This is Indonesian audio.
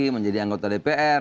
menjadi anggota dpr